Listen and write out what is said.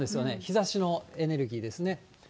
日ざしのエネルギーですね。